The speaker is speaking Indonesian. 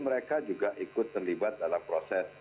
mereka juga ikut terlibat dalam proses